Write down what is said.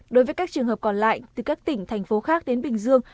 đối với các trường hợp còn lại từ các tỉnh thành phố khác đến bình dương